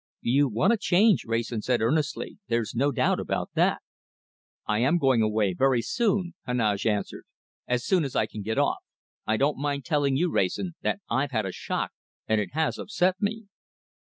"You want a change," Wrayson said earnestly. "There's no doubt about that." "I am going away very soon," Heneage answered. "As soon as I can get off. I don't mind telling you, Wrayson, that I've had a shock, and it has upset me."